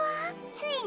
ついに？